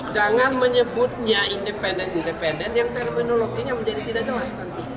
jangan menyebutnya independen independen yang terminologinya menjadi tidak jelas nanti